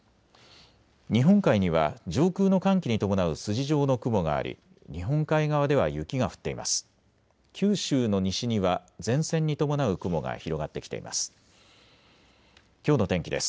日本海には上空の寒気に伴う筋状の雲があり日本海側では雪が降っています。